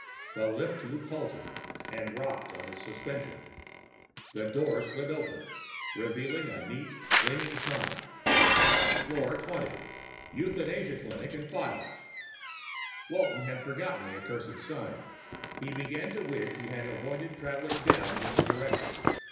The lift tube halted and rocked on its suspension. The door slid back, revealing a neat, gleaming sign: FLOOR 20 Euthanasia Clinic and Files Walton had forgotten the accursed sign. He began to wish he had avoided traveling down with the director.